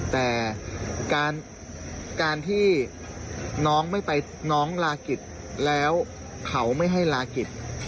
แต่การที่น้องไม่ไปน้องลากิจแล้วเขาไม่ให้ลากิจ